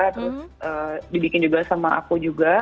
terus dibikin juga sama aku juga